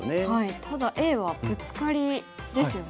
ただＡはブツカリですよね。